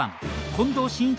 近藤真一